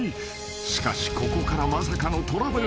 ［しかしここからまさかのトラブルが連続発生］